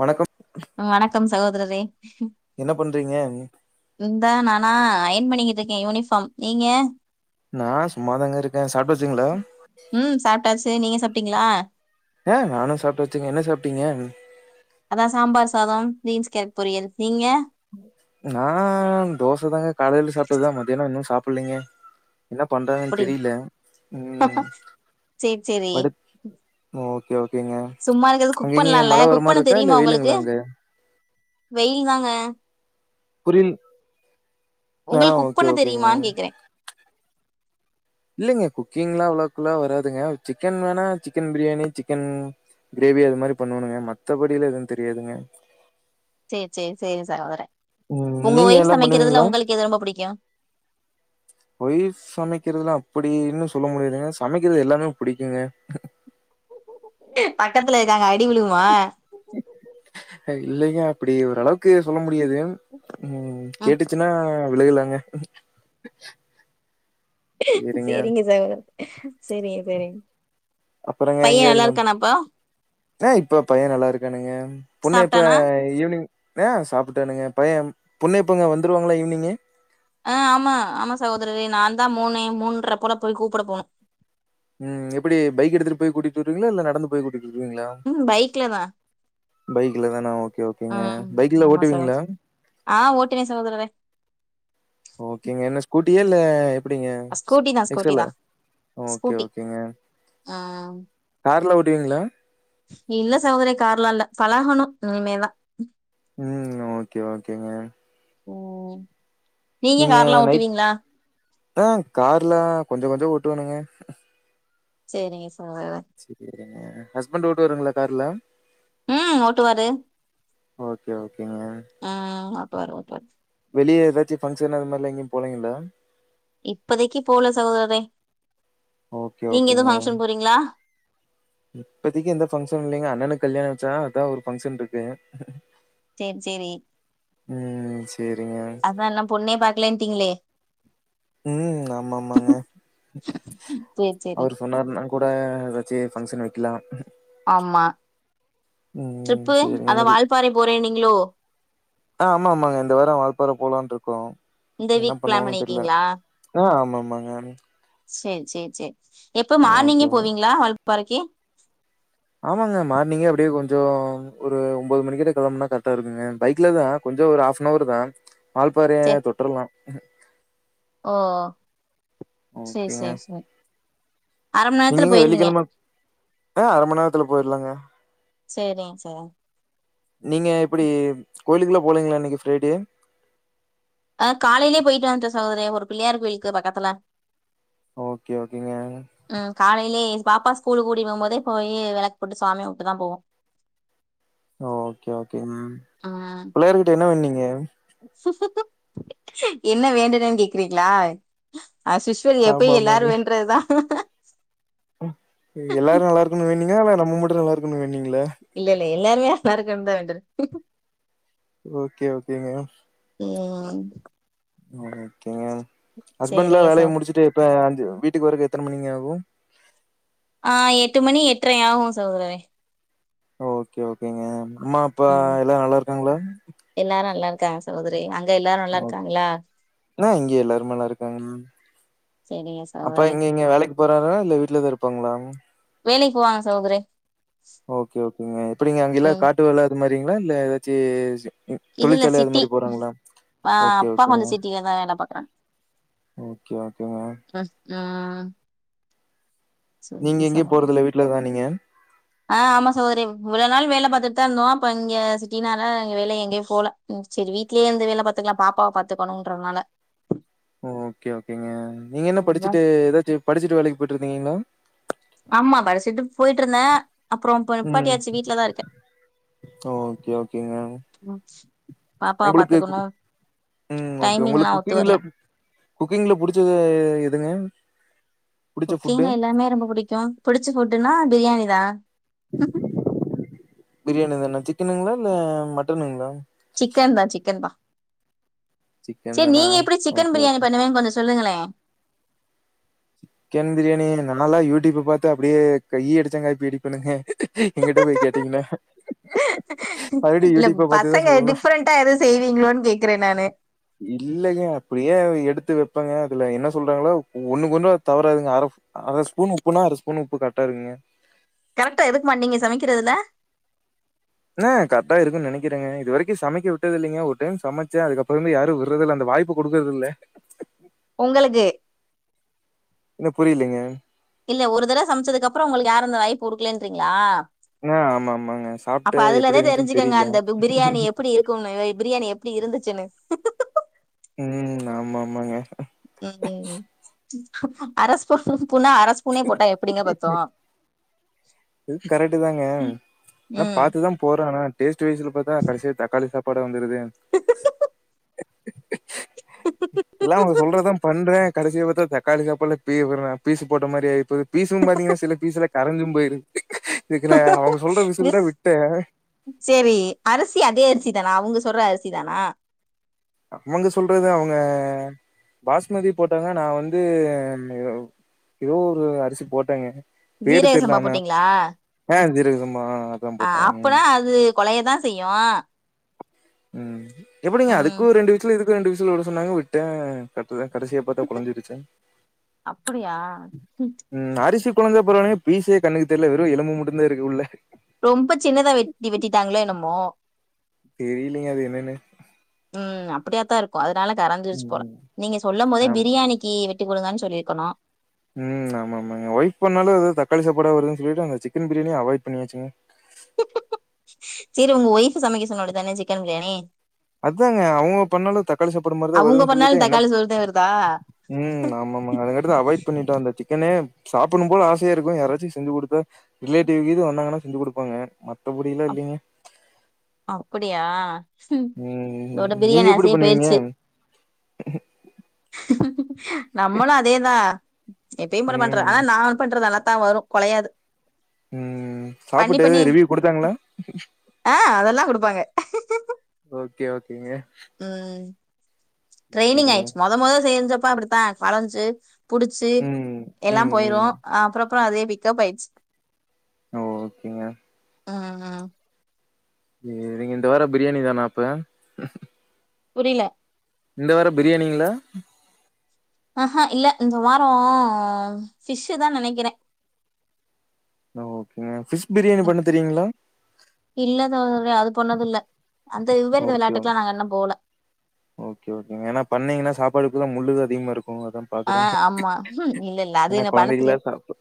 வணக்கம் ம் வணக்கம் சகோதரரே என்ன பண்றீங்க இந்தா நானா அயன் பண்ணிக்கிட்டு இருக்கேன் யூனிஃபார்ம் நீங்க நான் சும்மாதாங்க இருக்கேன் சாப்டாச்சுங்களா ம் சாப்டாச்சு நீங்க சாப்டீங்களா ஹ நானும் சாப்டாச்சுங்க என்ன சாப்டீங்க அதான் சாம்பார் சாதம் பீன்ஸ் கேரட் பொரியல் நீங்க நான் தோசை தாங்க காலையில சாப்டது தான் மத்தியானம் இன்னும் சாப்பிட்லேங்க என்ன பண்றாங்கன்னு அப்படி தெரியல ம் சேரி சேரி படு ஓ ஓகே ஓகேங்க சும்மா இருக்கறது குக் அங்கங்க பண்ணலால்ல மழ வர குக் மாரி பண்ண இருக்கா இல்ல தெரியுமா உங்களுக்கு வெயிலுங்களா அங்க வெயில் தாங்க புரியல் ஆ உங்களுக்கு குக் ஓகே பண்ண ஓகேங்க தெரியுமனு கேக்குறேன் இல்லங்க குக்கிங்லா அவ்ளக்குலா வராதுங்க சிக்கன் வேணா சிக்கன் பிரியாணி சிக்கன் கிரேவி அது மாரி பண்ணுவணுங்க மத்தபடிலா எதுவு தெரியாதுங்க சேரி சேரி சேரி சகோதர ம் ஒங்க நீங்க ஒய்ஃப் எல்லா சமைக்கிறதுல பண்ணுவீங்களா ஒங்களுக்கு எது ரொம்ப புடிக்கு ஒய்ஃப் சமைக்கிறதுலா அப்பிடின்னு சொல்ல முடியாதுங்க சமைக்கிறது எல்லாமே புடிக்குங்க பக்கத்துல இருக்காங்க அடி விழுவுமா இல்லைங்க அப்டி ஒரளவுக்கு சொல்ல முடியாது ம் கேட்டுச்சுனா விழுகலாங்க சரிங்க சேரிங்க சகோ சேரிங்க சேரிங்க பைய நல்லாருக்கானாப்பா ஏ இப்ப பைய நல்லாருக்கானுங்க பொண்ணு இப்ப சாப்ட்டானா ஈவினிங் அ சாப்பிட்டானுங்க பையம் பபொண்ணு எப்பங்க வந்துருவாங்களா ஈவ்னிங்கே ஆ ஆமா ஆமா சகோதரரே நாந்தா மூனே மூன்றப் போல போய் கூப்பட போணு ம் எப்பிடி பைக் எடுத்துட்டு போய் கூட்டிட்டு வருவீங்ளா இல்ல நடந்து போய் கூட்டிட்டு வருவீங்ளா ம் பைக்ல தான் பைக்லதானா ஓகே ஓகேங்க ம் பைக்ல ஆமா ஓட்டுவீங்ளா சகோதரி ஆ ஓட்டுவே சகோதரரே ஓகேங்க என்ன ஸ்கூட்டியா இல்ல எப்டிங்க ஸ்கூட்டி தான் எக்ஸ்ட் ஸ்கூட்டி எல்லா தான் ஓகே ஸ்கூட்டி ஓகேங்க ஆ கார்லா ஓட்டுவீங்ளா இல்ல சகோதரரே கார்லா இல்ல பழகணு இனிமேதா ம் ஓகே ஓகேங்க ம் நீங்க கார்லாம் நைட் ஓட்டுவீங்களா ஆ கார்லா கொஞ்சோ கொஞ்சோ ஓட்டுவேணுங்க சேரிங்க [unintelligible] சேரிங்க ஹஸ்பண்ட்டு ஓட்டுவாருங்ளா கார்லா ம் ஓட்டுவாரு ஓகே ஓகேங்க ஆ ஆ ஓட்வாரு ஓட்டுவாரு வெளிய எதாச்சி ஃபங்க்ஷன் அதுமார்லா எங்கியும் போலேங்களா இப்போதைக்கி போல சகோதரே ஓகே நீங்க எது ஃபங்க்ஷன் போறீங்ளா இப்பதிக்கு எந்த ஃபங்க்ஷனு இல்லைங்க அண்ணனுக் கல்யாணம் வச்சா அதா ஒரு ஃபங்க்ஷன்ருக்கு சேர் சேரி ம் சரிங்க. அதா இன்னம் பொண்ணே பாக்லேன்ட்டீங்ளே ம் ஆமா ஆமாங்க சரி சரி அவருச் சொன்னாருன்னா கூட எதாச்சி ஃபங்க்ஷன் வக்கிலா ஆமா ம் ட்ரிப்பு சரிங்க. அதா இன்னைக்கு வால்ப்பாறை போறேன்னீங்ளோ ஆ ஆமா ஆமாங்க இந்த வாரோ வால்பாற போலான்ட்ருக்கோ இந்த வீக் என்னப் பிளான் பண்ணுவாங்கன் தெர்ல பண்ணிருக்கீங்களா ஆ ஆமா ஆமாங்க சேர் சேர் சேர் எப்ப மார்னிங்கே ஓகேங்க. போவீங்ளா வல்ப்பாறைக்கி ஆமாங்க மார்னிங்கே அப்டே கொஞ்சோ ஒரு ஒம்போது மணிகிட்ட கெளம்னா கர்ட்டா இருக்குங்க பைக்லதா கொஞ்சோ ஒரு ஹாஃப்னவர்தா வால்ப்பாறைய சேர் தொட்ரலா ஓ சே ஓகேங்க. சே சே நீங்க இங்க வெள்ளிக்கெழம ஆ அர மண்நேரத்துல போயிட்லாங்க சேரிங் சார் நீங்க எப்டி கோயிலுக்குலா போலைங்ளா இன்னைக்கி ஃபிரைடே அ காலையிலே போயிட்டு வந்துட்ட சகோதரே ஒரு பிள்ளையார் கோயிலுக்கு பக்கத்துல ஓகே ஓகேங்க ம் காலைலே எ பாப்பா ஸ்கூலு கூடி போகும்போதே போயி வெளக் போட்டு சாமி கும்ட்டு தா போவோ ஓகே ஓகேங்க ம் புள்ளையர்கிட்ட என்ன வேண்டுணீங்க என்ன வேண்டுனன் கேக்குறீங்களா அஸ்யூஷுவல் எப்பயு எல்லாரு ஆமாமாங்க. வேண்றதுதா எல்லாரு நல்லாருக்கன்னு வேண்னீங்கா இல்ல நம்ம மட்டு நல்லாருக்கன்னு வேண்னீங்களா இல்ல இல்ல எல்லாருமே அல்லா இருக்கன்னு தா வேண்டுன ஓகே ஓகேங்க ம் ஓகேங்க ஹஸ்பண்ட்லா சேரிங்க வேலைய சகோ முடிச்சுட்டு எப்ப அஞ் வீட்டுக்கு வரக்கு எத்தன மணிங்க ஆகு ஆ எட்டு மணி எட்ரை ஆகு சகோதரரே ஓகே ஓகேங்க அம்மா அப்பா ம் எல்லா நல்லாருக்காங்களா எல்லாரு நல்லாருக்காங்க சகோதரி அங்க எல்லாரு நல்லா ஓ இருக்காங்களா ஆ இங்கயல்லாருமே நல்லாருக்காங்க சரிங்க ச அப்பா எங்கங்க வேலைக்கு போறாரா இல்ல வீட்டுலதா இருப்பாங்களா வேலைக்கு போவாங்க சகோதரே ஓகே ஓகேங்க எப்டிங்க அங்கயெல்லா ம் காட்டு வேல அதுமாரிங்களா இல்ல ஏதாச்சு ம் இல்ல இல்ல தொழிற்சாலை அது சிட்டி மாரி போறாங்களா ஆ ஓகே அப்பா கொஞ்சோ ஓகேங்க சிட்டிலதா வேல பாக்குறாங்க ஓகே ஓகேங்க ஆ நீங்க எங்கயு சகோதரி போறதுல்ல வீட்டுலதா நீங்க ஆ ஆமா சோகோதரே இவ்ளோ நாள் வேல பாத்துட்டு தா இருந்தோ அப்ப இங்க சிட்டினால இங்க வேல எங்கயு போல ம் செரி வீட்லே இருந்து வேல பாத்துக்கலா பாப்பாவ பாத்துக்கணுன்றதுனால ஓகே ஓகேங்க நீங்க என்ன படிச்சுட்டு ஏதாச்ச படிச்சுட்டு வேலைக்கு போயிட்டுருதீங்களா ஆமா படிச்சிட்டு போயிட்டு இருந்தே அப்புறம் இப்ப ம். நிப்பாட்டியாச்சு வீட்டுல தா இருக்கே ஓகே ஓகேங்க ம் பாப்பாவ உங்களுக்கு பாத்துக்கணு ம் ஓகே டைமிங்லா உங்களுக்கு ஒத்து குக்கிங்ல வரல குக்கிங்ல புடிச்சது எதுங்க புடிச்ச ஃபுட்டு? குக்கிங்ல எல்லாமே ரொம்ப பிடிக்கு பிடிச்ச ஃபுட்டுன்னா பிரியாணி தா பிரியாணி தானா சிக்கனுங்களா இல்ல மட்டனுங்களா சிக்கன் தா சிக்கன் தா சிக்கன் சேரி தானா நீங்க எப்படி சிக்கன் ஓகே பிரியாணி ஓகே பண்ணுவேன்னு கொஞ்ச சொல்லுங்களே சிக்கன் பிரியாணி நல்லா யூடியூப் பாத்து அப்படியே ஈயடிச்சாங்காப்பியடிப்பேணுங்க எங்கிட்ட போய் கேட்டீங்கன்னா மறுபடியும் இல்ல யூடியூப்ப பாத்துதான் பசங்க சொல்லணும் டிஃப்ரெண்டா எதுவும் செய்வீங்களோன்னு கேக்குறே நானு இல்லலைங்க அப்படியே எடுத்து வைப்பங்க அதுல என்ன சொல்றாங்களா ஒன்னுக்கொன்னு அது தவறாதுங்க அரை அரை ஸ்பூன் உப்புன்னா அரை ஸ்பூன் உப்பு கரெக்ட்டா இருக்குங்க கரெக்டா எதுக்குமா நீங்க சமைக்கிறதுல என்ன கரக்டா இருக்குன்னு நெனக்கிறேங்க இது வரைக்கு சமைக்க விட்டது இல்லைங்க ஒரு டைம் சமைச்சே அதுக்கப்புறம் யாரும் விறது இல்ல அந்த வாய்ப்பு இப்ப குடுக்கறது இல்ல உங்களுக்கு என்ன புரியலிங்க இல்ல ஒரு தடவை சமைச்சதுக்குப்புறம் உங்களுக்கு யாருந்த வாய்ப்பு கொடுக்கலேன்றீங்களா ஆ ஆமா ஆமாங்க அப்ப சாப்ட்டு எப்டி அதுலந்தே இருந்துச்சுன்னு தெரிஞ்சுக்கங்க தெரியல அந்த பிரியாணி எப்படி இருக்கு பிரியாணி எப்டி இருந்துச்சுன்னு ம் ஆமா ஆமாங்க ம் ம் ம் அரஸ்பூண்ணா அரஸ்பூனே போட்டா எப்படிங்க பத்து து கரெக்ட்டு தாங்க எல்லா ம் பாத்துதா போட்றே டேஸ்ட் வயசுல பாத்தா கடைசியா தக்காளி சா பாடா வந்துடுது எல்லா அவங்க சொல்றதா பண்றே கடைசில பாத்தா தக்காளி சாப்பாட்ல பீ பீசு போட்ட மாரியாயிபேயிருது பீசும் பாத்தீங்கனா சில பீசு கரைஞ்சும் போயிருது இதுக்குன அவங்க சொல்ற விசில் தா விட்டே சேரி அரிசி அதே அரிசி தானா அவங்க சொல்ற அரிசி தானா அவங்க சொல்றது அவங்க பாஸ்மதி போட்டாங்க நா வந்து ஏதோ ஒரு அரிசி போட்டேங்க பேரு ஜீரக தெரில சம்பா ஆனா போட்டீங்களா அ ஜீரகசம்பா ஆ அதா போட்டே கொழய தா செய்யு ம் எப்படிங்க ம் அதுக்கு ரெண்டு விசுல் இதுக்கு ரெண்டு விசுல் விட சொன்னாங்க விட்டே கரெக்ட் தா கடைசியா பாத்தா குழஞ்சுடுச்சே அப்படியா ம் அரிசி குழஞ்சா பரவாயில்லிங்க பீசே கண்ணுக்கு தெரியல வெறு எலும்பு மட்டுந்தா இருக்கு உள்ள ரொம்ப சின்னதா வெட்டி வெட்டிட்டாங்களோ என்னமோ தெரியிலீங்க அது என்னனு ம் அப்படியாத்தா இருக்கு அதனால கரஞ்சுருச்சு போல ம். நீங்க சொல்லும் போதே ஆம். பிரியாணிக்கி வெ இவ்வளவு தா சொல்லிருக்கணு ம் ஆமா ஆமாங்க ஒய்ஃப் பண்ணாலு தக்காளி சாப்பாடா வருதுன் சொல்லிட்டு அவங்க சிக்கன் பிரியாணியே அவாய்ட் பண்ணியாச்சுங்க சேரி உங்க ஒய்ஃப் சமைக்க சொல்ல வேண்டிதானே சிக்கன் பிரியாணி அதாங்க அவுங்க பண்ணாலு தக்காளி சாப்பாடு மாரி தான அவங்க வருதுன்னு சொல்லிட்டு பண்ணாலு என்ன தக்காளி சோறுதே வருதா ம் ஆமா ஆமாங்க அவாய்ட் பண்ணிட்டோ அந்த சிக்கனே சாப்புடுனும் போல ஆசையா இருக்கு யாராச்சு செஞ்சு கொடுத்தா ரிலேட்டிவ்கீது வந்தாங்கன்னா செஞ்சு கொடுப்பாங்க மத்தபடில்லா அப் இல்லீங்க அப்படியா ம். தோட நீங்க பிரியாணி எப்படி ஆசையே பண்ணுவீங்க? போயிருச்சு நம்மளு அதே தா எப்பயும் போல பண்ற ம். ஆனா நா பண்றது நல்லாத்தா வரு கொழயாது ம் சாப்புட்டு ரிவ்யூ குடுத்தாங்ளா ஆ அதெல்லா குடுப்பாங்க ஓகே ஓகேங்க ம் ட்ரெய்னிங் ஆயிடுச்சு மொத மொத செஞ்சப்பா அப்படித்தா வளஞ்சு புடிச்சு ம் எல்லாம் ம் போயிரு ம் அப்புறப்புற அதே பிக்கப் ஆயிடுச்சு ஓகேங்க ம் ம் நீங்க இந்த வார பிரியாணி தானா அப்ப புரில இந்த வார பிரியாணிங்ளா ஆஹ்ஹா இல்ல இந்த வார ஃபிஷ் தா நினைக்கிறே ஓகேங்க ஃபிஷ் பிரியாணி பண்ண தெரியீங்ளா இல்ல தோழரோ அது பண்ணது இல்ல அந்த விவ்வருத ஓகே ஓ விளையாட்டுக்கெல்லா நாங்க இன்னு போல ஓகே ஓகேங்க ஏனா பண்ணீங்கன்னா சாப்பாடு ஃபுல்லா முள் தா அதிகமா இருக்கு அதா ஆ பாக்குறேன் ஆமா ம் இல்ல இல்ல அது எனா எனக்கு பண்ண கொழந்தைகள்லா தெரியாது சாப்பா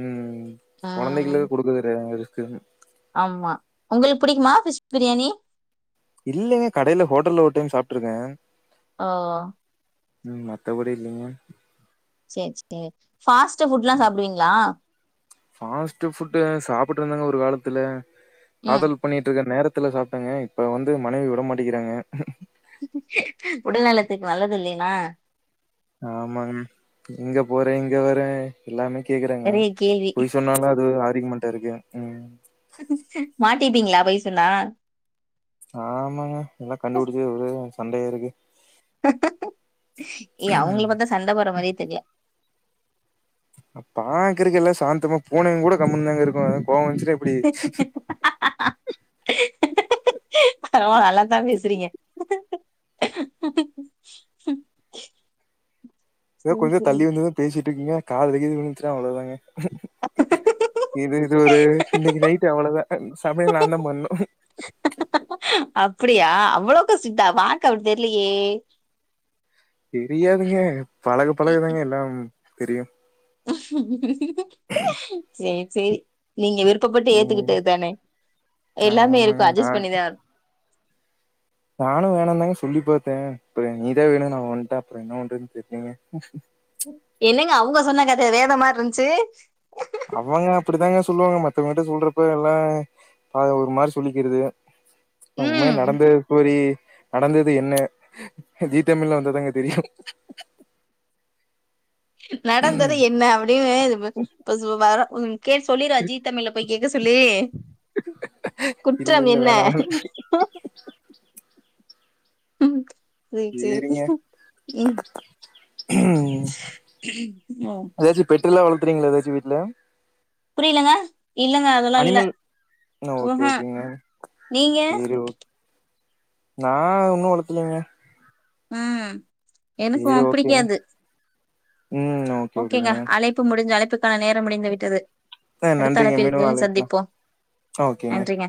ம் ம் கொழந்தைகலா கொடுக்க [inaudible] ஆமா உங்களுக் பிடிக்குமா ஃபிஷ் பிரியாணி இல்லங்க கடைல ஹோட்டல்ல ஒரு டைம் சாப்ட்டுருக்கே ஓ ம் மத்தபடி இல்லைங்க சேர் செ ஃபாஸ்ட் ஃபுட்லா சாப்டுவீங்ளா ஃபாஸ்ட் ஃபுட்டு் சாப்புட்டு இருந்தங்க ஒரு காலத்துல ம் காதல் பண்ணிட்டு இருக்க நேரத்துல சாப்ட்டங்க இப்ப வந்து மனைவி விடமாட்டிக்கிறாங்க உடல்நலத்துக்கு நல்லது இல்லைனா ஆமாங் ம் எங்க போறே எங்க வறே எல்லாமே கேக்குறாங்க பெரிய கேள்வி பொய் சொன்னாலு அது ஆர்க்யுமன்ட்டா இருக்கு ம் மாட்டிட்டீங்ளா பொய் சொன்னா ஆமாங்க எல்லா கண்டுபிடிச்சு ஒரு சண்டையா இருக்கு ஏய் அவங்கள பாத்தா சண்ட போற மாரியே தெரில பாக்குறக்கெல்லா சாந்தமா பூனைங் கூட கம்முனுதாங்க இருக்கு கோவொ வந்துச்சுனா இப்டி பரவால நல்லாதா பேசுறீங்க [inaudible] எதோ சேரி கொஞ்சொ சேரி தள்ளி வந்துதா பேசிட்டுருக்கேங்க காதுல கீதுல விழுந்துச்சுன்னா அவ்ளோதாங்க இது இது ஒரு இன்னைக்கு நைட் அவ்வளோதா சமையல் நாந்தா பண்ணு அப்டியா அவ்வளோக்கா ஸ்ட்ரீட்டா பாக்க அப்டி தெர்லியே தெரியாதுங்க பழக பழக தாங்க எல்லாம் தெரியு [inaudible] சேர் செரி நீங்க விருப்பப்பட்டு ம் ஏத்துக்கிட்டது தான எல்லாமே இருக்கு ஆமாங்க நா அட்ஜஸ்ட் பண்ணிதா ஆ நானு வேணானுந்தாங்க சொல்லி பாத்தே அப்ற நீதா வேணுனு அவ வந்துட்டா அப்பறோ என்ன பண்றதுன்னு தெர்லேங்க என்னங்க அவங்க சொன்ன கதை வேற மார்ருந்துச்சு அவங்க அப்டிதாங்க சொல்லுவாங்க மத்தவங்கிட்ட சொல்றப்ப எல்லா அது ஒரு மாரி சொல்லிக்கறது அ உண்மையா ம் நடந்து ஸ்டோரி நடந்தது என்ன ஜி தமிழ்ல வந்தாதாங்க தெரியு நடந்தது என்ன அப்டினு இது ப இப்ப சோ வரே ம் கே சொல்லிரு ஜி தமிழ்ல போய் கேக்க சொல்லி இல்ல குற்றம் இல்ல என்ன வேணா வேணா ம் சேர் சேர் ம் ம். எதாச்சு பெட்டெல்லா வளர்த்துறீங்களா எதாச்சு வீட்ல புரியலங்க இல்லங்க அதெல்லா இல்ல அனிமல் புஹ ஓகே ஓகேங்க நீங்க சேரி ஓ நா ஒன்னு வளத்தலங்க ம் சேரி எனக்கும் ஓகேங்க பிடிக்காது ம் ஓகேங்க அழைப்பு முடிஞ் அழைப்புக்கான நேரம் முடிந்து விட்டது அடுத்த நன்றிங்க அழைப்பில் மீண்டும் விரைவில் அழைக்கலாம் சந்திப்போம் ஓகேங்க நன்றிங்க